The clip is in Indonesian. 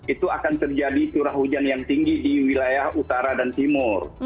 itu akan terjadi curah hujan yang tinggi di wilayah utara dan timur